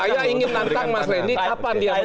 saya ingin nantang mas randy kapan dia mengajukan